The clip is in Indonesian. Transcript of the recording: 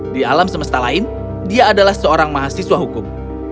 di alam semesta lain dia adalah seorang mahasiswa hukum